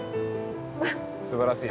すばらしい。